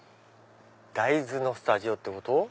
大豆のスタジオってこと？